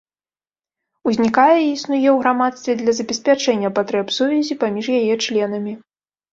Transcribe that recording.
Узнікае і існуе ў грамадстве для забеспячэння патрэб сувязі паміж яго членамі.